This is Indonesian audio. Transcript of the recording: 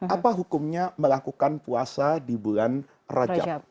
apa hukumnya melakukan puasa di bulan rajab